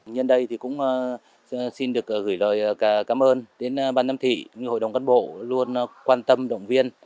nhân đây thì cũng xin được gửi lời cảm ơn đến ban giám thị hội đồng cán bộ luôn quan tâm động viên